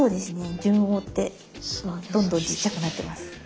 順を追ってどんどんちっちゃくなってます。